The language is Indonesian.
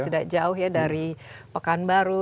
tidak jauh ya dari pekanbaru